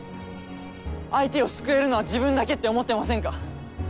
相手を救えるのは自分だけって思ってませんか？